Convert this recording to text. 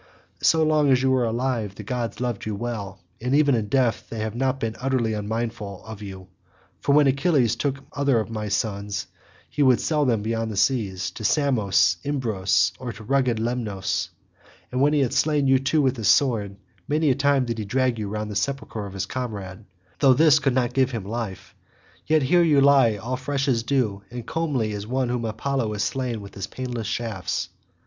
So long as you were alive the gods loved you well, and even in death they have not been utterly unmindful of you; for when Achilles took any other of my sons, he would sell him beyond the seas, to Samos Imbrus or rugged Lemnos; and when he had slain you too with his sword, many a time did he drag you round the sepulchre of his comrade—though this could not give him life—yet here you lie all fresh as dew, and comely as one whom Apollo has slain with his painless shafts."